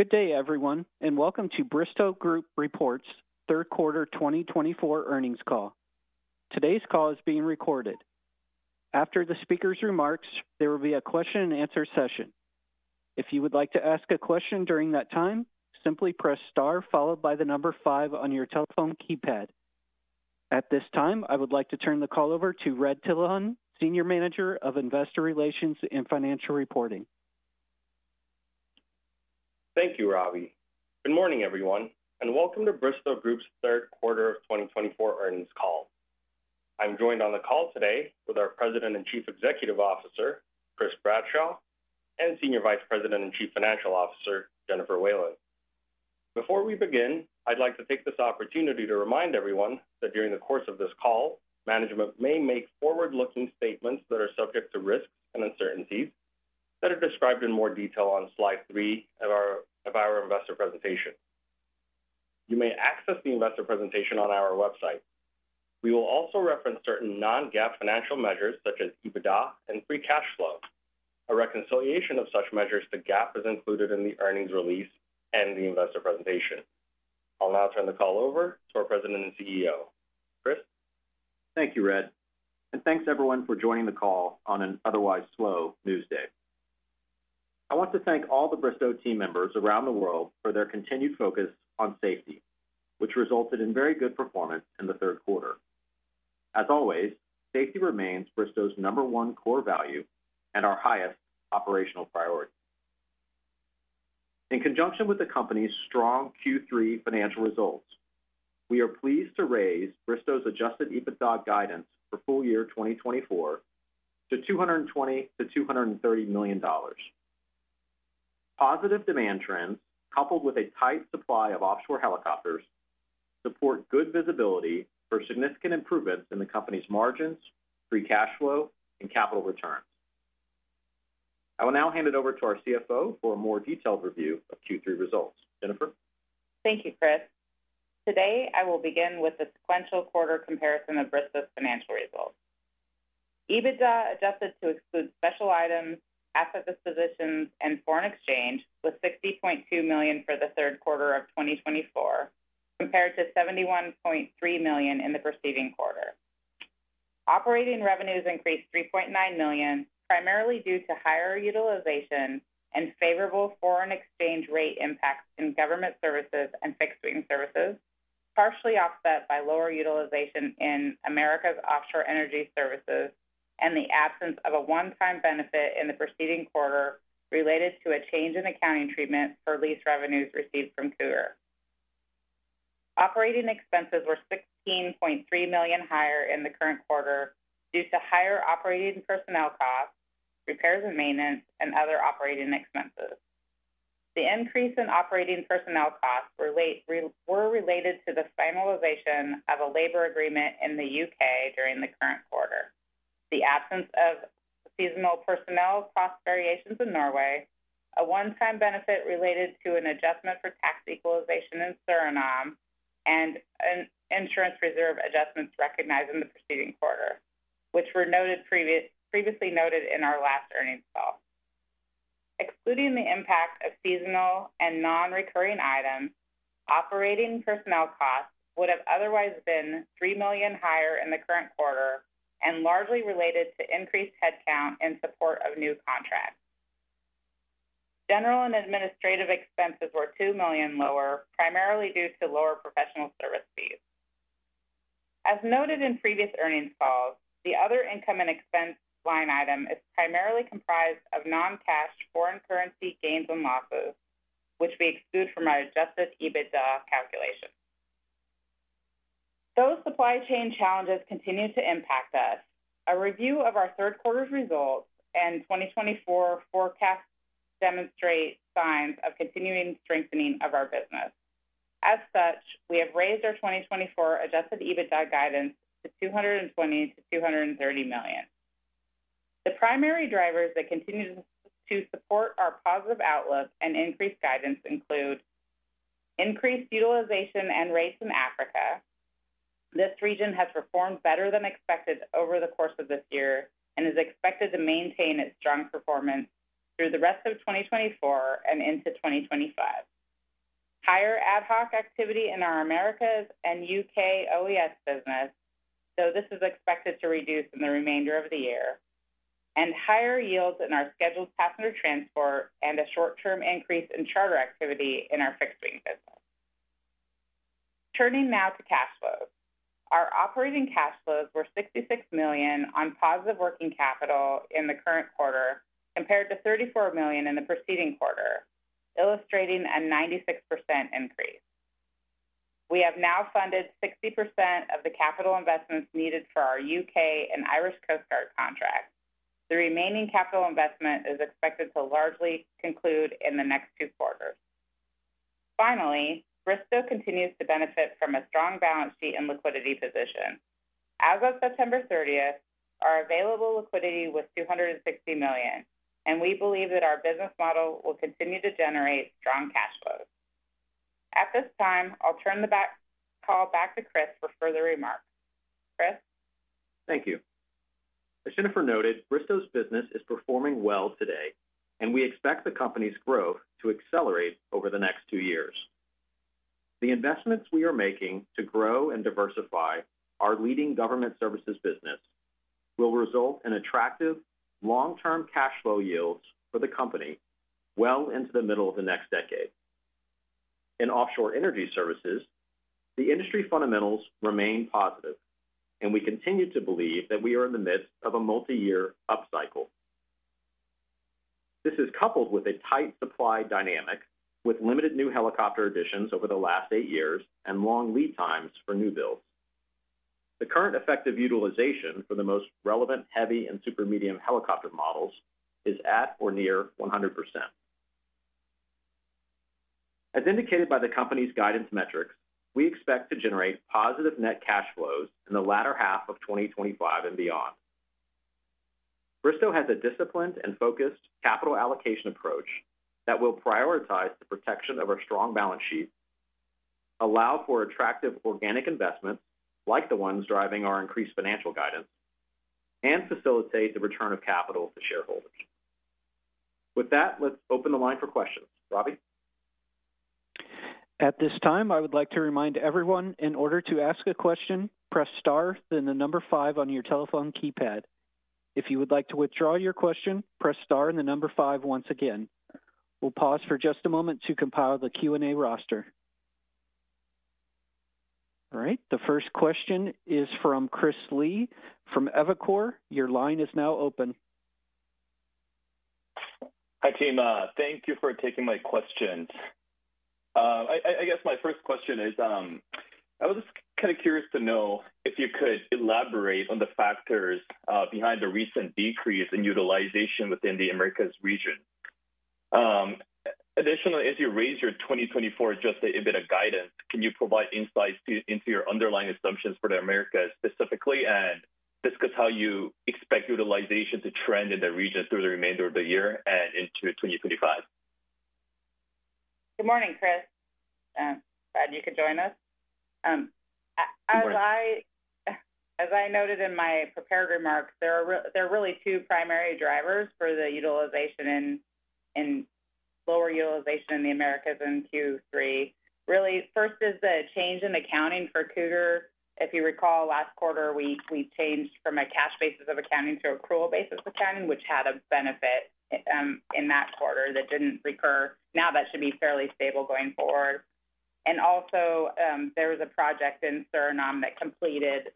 Good day, everyone, and welcome to Bristow Group's third quarter 2024 earnings call. Today's call is being recorded. After the speaker's remarks, there will be a question-and-answer session. If you would like to ask a question during that time, simply press star followed by the number five on your telephone keypad. At this time, I would like to turn the call over to Red Tilahun, Senior Manager of Investor Relations and Financial Reporting. Thank you, Robbie. Good morning, everyone, and welcome to Bristow Group's third quarter of 2024 earnings call. I'm joined on the call today with our President and Chief Executive Officer, Chris Bradshaw, and Senior Vice President and Chief Financial Officer, Jennifer Whalen. Before we begin, I'd like to take this opportunity to remind everyone that during the course of this call, management may make forward-looking statements that are subject to risks and uncertainties that are described in more detail on slide three of our investor presentation. You may access the investor presentation on our website. We will also reference certain Non-GAAP financial measures such as EBITDA and free cash flow. A reconciliation of such measures to GAAP is included in the earnings release and the investor presentation. I'll now turn the call over to our President and CEO, Chris. Thank you, Red, and thanks, everyone, for joining the call on an otherwise slow news day. I want to thank all the Bristow team members around the world for their continued focus on safety, which resulted in very good performance in the third quarter. As always, safety remains Bristow's number one core value and our highest operational priority. In conjunction with the company's strong Q3 financial results, we are pleased to raise Bristow's Adjusted EBITDA guidance for full year 2024 to $220 million-$230 million. Positive demand trends, coupled with a tight supply of offshore helicopters, support good visibility for significant improvements in the company's margins, free cash flow, and capital returns. I will now hand it over to our CFO for a more detailed review of Q3 results. Jennifer? Thank you, Chris. Today, I will begin with the sequential quarter comparison of Bristow's financial results. EBITDA adjusted to exclude special items, asset dispositions, and foreign exchange was $60.2 million for the third quarter of 2024, compared to $71.3 million in the preceding quarter. Operating revenues increased $3.9 million, primarily due to higher utilization and favorable foreign exchange rate impacts in Government Services and Fixed Wing Services, partially offset by lower utilization in Americas Offshore Energy Services and the absence of a one-time benefit in the preceding quarter related to a change in accounting treatment for lease revenues received from Cougar. Operating expenses were $16.3 million higher in the current quarter due to higher operating personnel costs, repairs and maintenance, and other operating expenses. The increase in operating personnel costs were related to the finalization of a labor agreement in the U.K. during the current quarter, the absence of seasonal personnel cost variations in Norway, a one-time benefit related to an adjustment for tax equalization in Suriname, and insurance reserve adjustments recognized in the preceding quarter, which were previously noted in our last earnings call. Excluding the impact of seasonal and non-recurring items, operating personnel costs would have otherwise been $3 million higher in the current quarter and largely related to increased headcount in support of new contracts. General and administrative expenses were $2 million lower, primarily due to lower professional service fees. As noted in previous earnings calls, the other income and expense line item is primarily comprised of non-cash foreign currency gains and losses, which we exclude from our Adjusted EBITDA calculation. Though supply chain challenges continue to impact us, a review of our third quarter's results and 2024 forecasts demonstrate signs of continuing strengthening of our business. As such, we have raised our 2024 Adjusted EBITDA guidance to $220 million-$230 million. The primary drivers that continue to support our positive outlook and increased guidance include increased utilization and rates in Africa. This region has performed better than expected over the course of this year and is expected to maintain its strong performance through the rest of 2024 and into 2025. Higher ad hoc activity in our Americas and U.K. OES business, though this is expected to reduce in the remainder of the year, and higher yields in our scheduled passenger transport and a short-term increase in charter activity in our fixed-wing business. Turning now to cash flows. Our operating cash flows were $66 million on positive working capital in the current quarter compared to $34 million in the preceding quarter, illustrating a 96% increase. We have now funded 60% of the capital investments needed for our U.K. Coast Guard and Irish Coast Guard contracts. The remaining capital investment is expected to largely conclude in the next two quarters. Finally, Bristow continues to benefit from a strong balance sheet and liquidity position. As of September 30th, our available liquidity was $260 million, and we believe that our business model will continue to generate strong cash flows. At this time, I'll turn the call back to Chris for further remarks. Chris? Thank you. As Jennifer noted, Bristow's business is performing well today, and we expect the company's growth to accelerate over the next two years. The investments we are making to grow and diversify our leading Government Services business will result in attractive long-term cash flow yields for the company well into the middle of the next decade. In offshore energy services, the industry fundamentals remain positive, and we continue to believe that we are in the midst of a multi-year upcycle. This is coupled with a tight supply dynamic with limited new helicopter additions over the last eight years and long lead times for new builds. The current effective utilization for the most relevant heavy and super medium helicopter models is at or near 100%. As indicated by the company's guidance metrics, we expect to generate positive net cash flows in the latter half of 2025 and beyond. Bristow has a disciplined and focused capital allocation approach that will prioritize the protection of our strong balance sheet, allow for attractive organic investments like the ones driving our increased financial guidance, and facilitate the return of capital to shareholders. With that, let's open the line for questions. Robbie? At this time, I would like to remind everyone in order to ask a question, press star then the number five on your telephone keypad. If you would like to withdraw your question, press star and the number five once again. We'll pause for just a moment to compile the Q&A roster. All right, the first question is from Chris Lee from Evercore. Your line is now open. Hi, team. Thank you for taking my questions. I guess my first question is, I was kind of curious to know if you could elaborate on the factors behind the recent decrease in utilization within the Americas region. Additionally, as you raise your 2024 Adjusted EBITDA guidance, can you provide insights into your underlying assumptions for the Americas specifically and discuss how you expect utilization to trend in the region through the remainder of the year and into 2025? Good morning, Chris. Glad you could join us. As I noted in my prepared remarks, there are really two primary drivers for the utilization and lower utilization in the Americas in Q3. Really, first is the change in accounting for Cougar. If you recall, last quarter, we changed from a cash basis of accounting to an accrual basis of accounting, which had a benefit in that quarter that didn't recur. Now that should be fairly stable going forward, and also, there was a project in Suriname that completed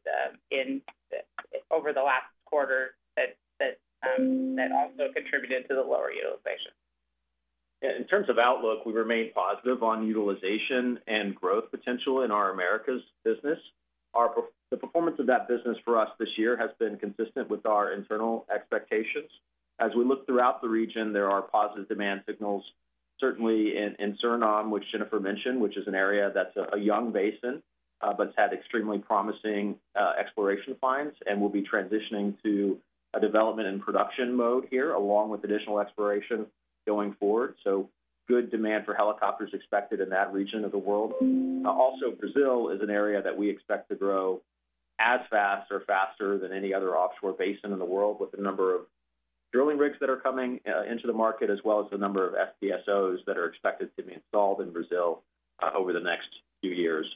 over the last quarter that also contributed to the lower utilization. In terms of outlook, we remain positive on utilization and growth potential in our Americas business. The performance of that business for us this year has been consistent with our internal expectations. As we look throughout the region, there are positive demand signals, certainly in Suriname, which Jennifer mentioned, which is an area that's a young basin, but has had extremely promising exploration finds and will be transitioning to a development and production mode here, along with additional exploration going forward. So good demand for helicopters expected in that region of the world. Also, Brazil is an area that we expect to grow as fast or faster than any other offshore basin in the world, with the number of drilling rigs that are coming into the market, as well as the number of FPSOs that are expected to be installed in Brazil over the next few years.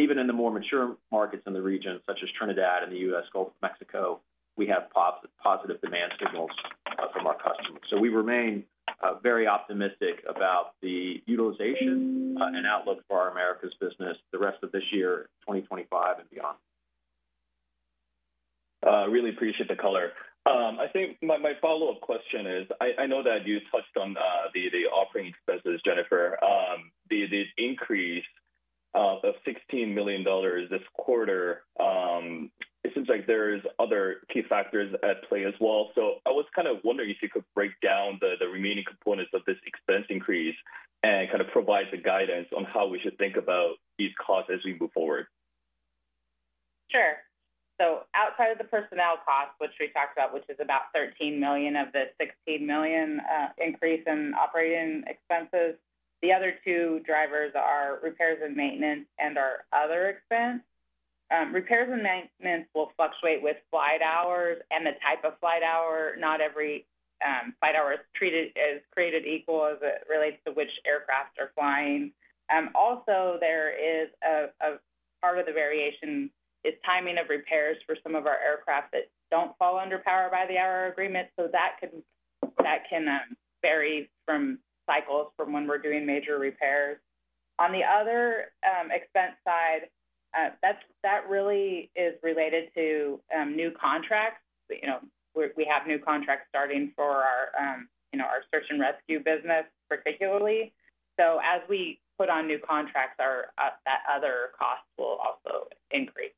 Even in the more mature markets in the region, such as Trinidad and the U.S. Gulf of Mexico, we have positive demand signals from our customers. We remain very optimistic about the utilization and outlook for our Americas business the rest of this year, 2025 and beyond. I really appreciate the color. I think my follow-up question is, I know that you touched on the operating expenses, Jennifer. The increase of $16 million this quarter, it seems like there are other key factors at play as well. So I was kind of wondering if you could break down the remaining components of this expense increase and kind of provide the guidance on how we should think about these costs as we move forward. Sure. So outside of the personnel costs, which we talked about, which is about $13 million of the $16 million increase in operating expenses, the other two drivers are repairs and maintenance and our other expense. Repairs and maintenance will fluctuate with flight hours and the type of flight hour. Not every flight hour is created equal as it relates to which aircraft are flying. Also, there is a part of the variation is timing of repairs for some of our aircraft that don't fall under Power by the Hour agreement. So that can vary from cycles from when we're doing major repairs. On the other expense side, that really is related to new contracts. We have new contracts starting for our search and rescue business, particularly. So as we put on new contracts, that other cost will also increase.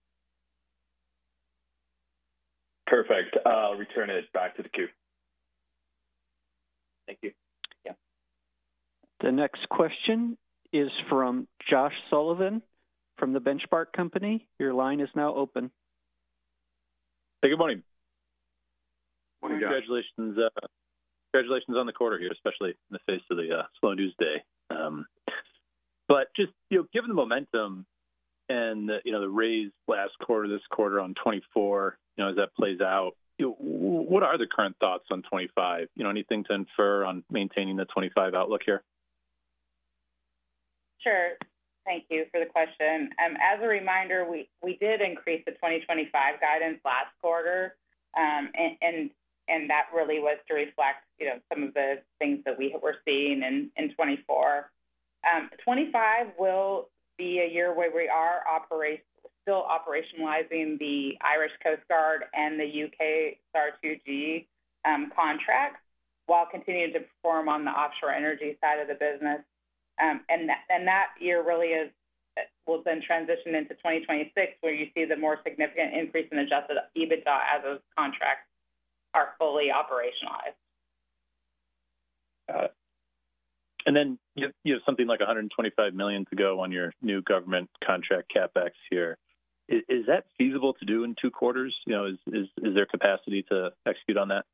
Perfect. I'll return it back to the queue. Thank you. Yeah. The next question is from Josh Sullivan from The Benchmark Company. Your line is now open. Hey, good morning. Morning, Josh. Congratulations on the quarter here, especially in the face of the slow news day but just given the momentum and the raise last quarter, this quarter on 2024, as that plays out, what are the current thoughts on 2025? Anything to infer on maintaining the 2025 outlook here? Sure. Thank you for the question. As a reminder, we did increase the 2025 guidance last quarter, and that really was to reflect some of the things that we were seeing in 2024. 2025 will be a year where we are still operationalizing the Irish Coast Guard U.K. SAR 2G contract while continuing to perform on the offshore energy side of the business, and that year really will then transition into 2026, where you see the more significant increase in Adjusted EBITDA as those contracts are fully operationalized. Got it. And then you have something like $125 million to go on your new government contract CapEx here. Is that feasible to do in two quarters? Is there capacity to execute on that?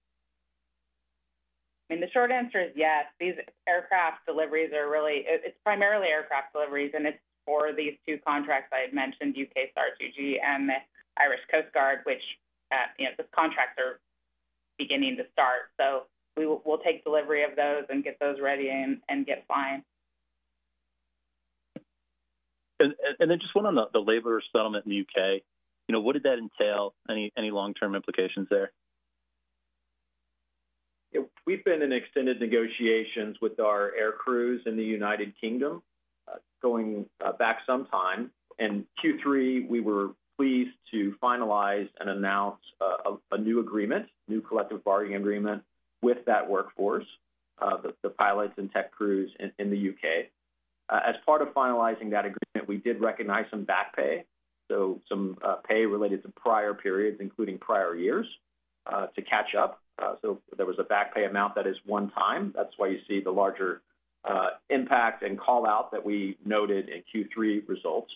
I mean, the short answer is yes. These aircraft deliveries are really, it's primarily aircraft deliveries, and it's for these two contracts I UKSAR2G and the Irish Coast Guard, which the contracts are beginning to start, so we'll take delivery of those and get those ready and get flying. Then just one on the labor settlement in the U.K.. What did that entail? Any long-term implications there? We've been in extended negotiations with our air crews in the United Kingdom going back some time. In Q3, we were pleased to finalize and announce a new agreement, a new collective bargaining agreement with that workforce, the pilots and tech crews in the U.K.. As part of finalizing that agreement, we did recognize some back pay, so some pay related to prior periods, including prior years, to catch up. So there was a back pay amount that is one time. That's why you see the larger impact and callout that we noted in Q3 results.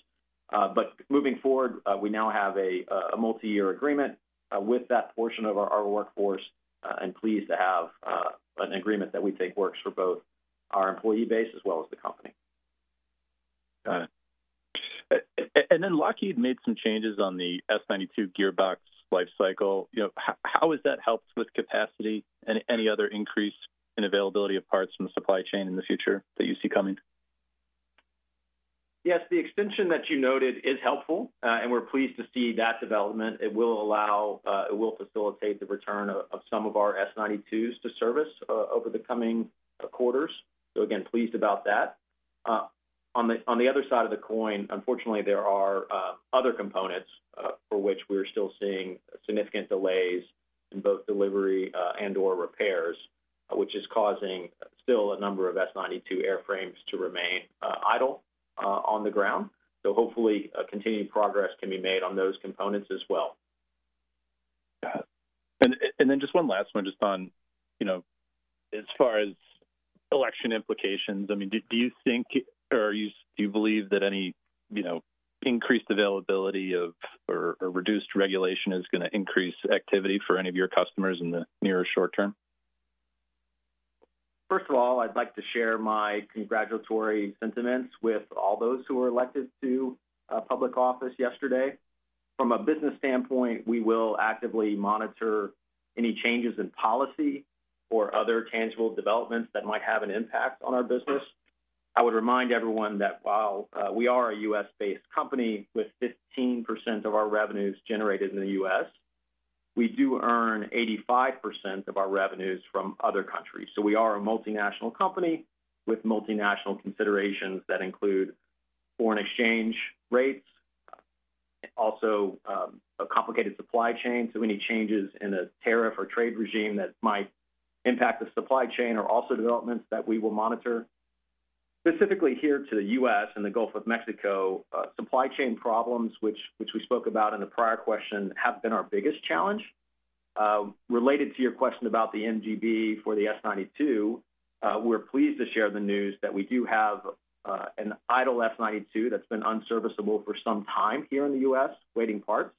But moving forward, we now have a multi-year agreement with that portion of our workforce and pleased to have an agreement that we think works for both our employee base as well as the company. Got it. And then Lockheed made some changes on the S-92 gearbox lifecycle. How has that helped with capacity and any other increase in availability of parts from the supply chain in the future that you see coming? Yes, the extension that you noted is helpful, and we're pleased to see that development. It will allow, it will facilitate the return of some of our S-92s to service over the coming quarters. So again, pleased about that. On the other side of the coin, unfortunately, there are other components for which we're still seeing significant delays in both delivery and/or repairs, which is causing still a number of S-92 airframes to remain idle on the ground. So hopefully, continued progress can be made on those components as well. Got it. And then just one last one, just on as far as election implications. I mean, do you think, or do you believe that any increased availability of or reduced regulation is going to increase activity for any of your customers in the near or short term? First of all, I'd like to share my congratulatory sentiments with all those who were elected to public office yesterday. From a business standpoint, we will actively monitor any changes in policy or other tangible developments that might have an impact on our business. I would remind everyone that while we are a U.S.-based company with 15% of our revenues generated in the U.S., we do earn 85% of our revenues from other countries. So we are a multinational company with multinational considerations that include foreign exchange rates, also a complicated supply chain. So any changes in a tariff or trade regime that might impact the supply chain are also developments that we will monitor. Specifically here to the U.S. and the Gulf of Mexico, supply chain problems, which we spoke about in the prior question, have been our biggest challenge. Related to your question about the MGB for the S-92, we're pleased to share the news that we do have an idle S-92 that's been unserviceable for some time here in the U.S., waiting parts,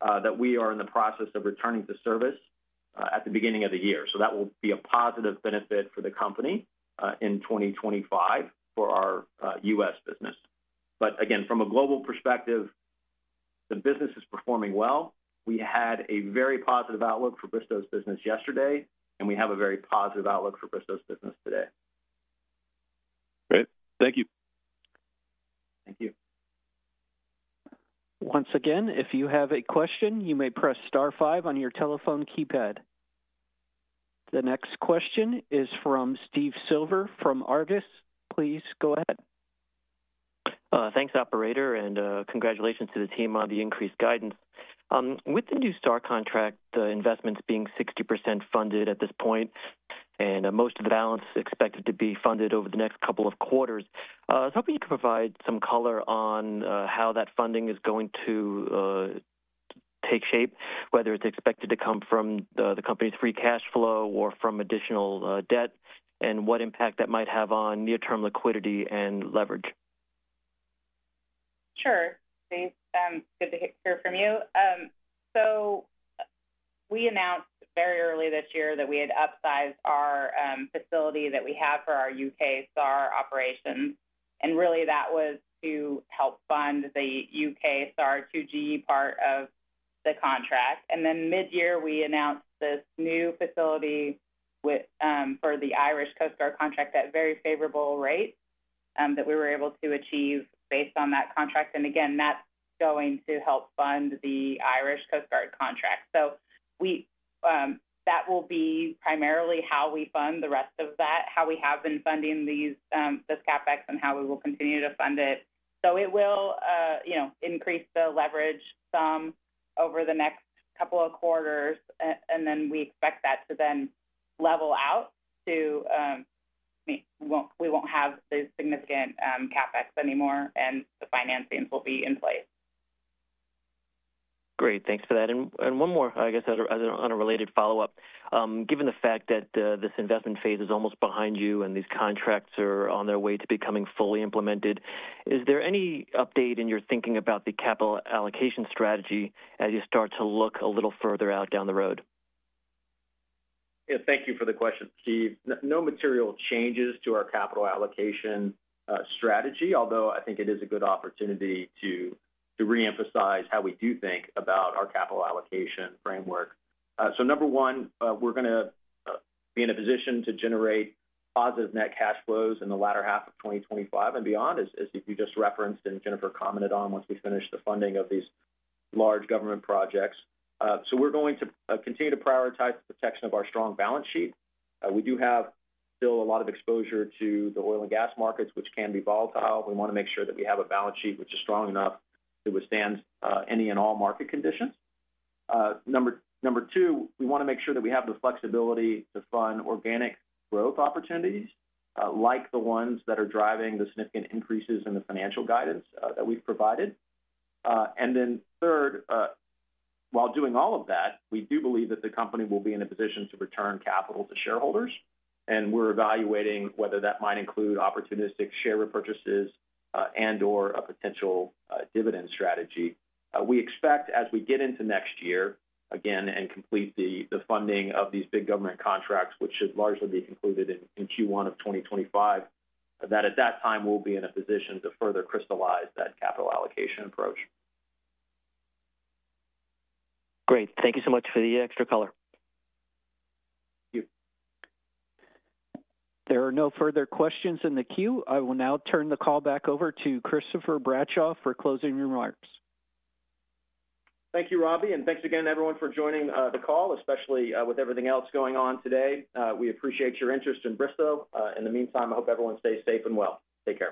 that we are in the process of returning to service at the beginning of the year. So that will be a positive benefit for the company in 2025 for our U.S. business. But again, from a global perspective, the business is performing well. We had a very positive outlook for Bristow's business yesterday, and we have a very positive outlook for Bristow's business today. Great. Thank you. Thank you. Once again, if you have a question, you may press star five on your telephone keypad. The next question is from Steve Silver from Argus. Please go ahead. Thanks, operator, and congratulations to the team on the increased guidance. With the new Star contract, the investments being 60% funded at this point and most of the balance expected to be funded over the next couple of quarters, I was hoping you could provide some color on how that funding is going to take shape, whether it's expected to come from the company's free cash flow or from additional debt, and what impact that might have on near-term liquidity and leverage. Sure. It's good to hear from you. So we announced very early this year that we had upsized our facility that we have for our U.K. SAR operations. And really, that was to help UKSAR2G part of the contract. And then mid-year, we announced this new facility for the Irish Coast Guard contract at very favorable rates that we were able to achieve based on that contract. And again, that's going to help fund the Irish Coast Guard contract. So that will be primarily how we fund the rest of that, how we have been funding this CapEx, and how we will continue to fund it. So it will increase the leverage some over the next couple of quarters. And then we expect that to then level out to we won't have the significant CapEx anymore, and the financings will be in place. Great. Thanks for that. And one more, I guess, as an unrelated follow-up. Given the fact that this investment phase is almost behind you and these contracts are on their way to becoming fully implemented, is there any update in your thinking about the capital allocation strategy as you start to look a little further out down the road? Yeah, thank you for the question, Steve. No material changes to our capital allocation strategy, although I think it is a good opportunity to reemphasize how we do think about our capital allocation framework. So number one, we're going to be in a position to generate positive net cash flows in the latter half of 2025 and beyond, as you just referenced and Jennifer commented on once we finish the funding of these large government projects. So we're going to continue to prioritize the protection of our strong balance sheet. We do have still a lot of exposure to the oil and gas markets, which can be volatile. We want to make sure that we have a balance sheet which is strong enough to withstand any and all market conditions. Number two, we want to make sure that we have the flexibility to fund organic growth opportunities like the ones that are driving the significant increases in the financial guidance that we've provided. And then third, while doing all of that, we do believe that the company will be in a position to return capital to shareholders. And we're evaluating whether that might include opportunistic share repurchases and/or a potential dividend strategy. We expect as we get into next year, again, and complete the funding of these big government contracts, which should largely be concluded in Q1 of 2025, that at that time, we'll be in a position to further crystallize that capital allocation approach. Great. Thank you so much for the extra color. Thank you. There are no further questions in the queue. I will now turn the call back over to Christopher Bradshaw for closing remarks. Thank you, Robbie. And thanks again, everyone, for joining the call, especially with everything else going on today. We appreciate your interest in Bristow. In the meantime, I hope everyone stays safe and well. Take care.